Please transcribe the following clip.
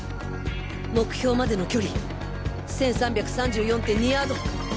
目標までの距離１３３４．２ヤード。